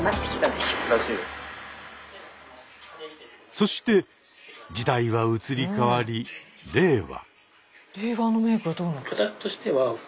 そして時代は移り変わり令和。